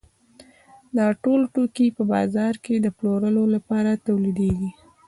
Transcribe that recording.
دا ټول توکي په بازار کې د پلورلو لپاره تولیدېږي